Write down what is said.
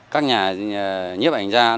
các nhà nhiếp ảnh ra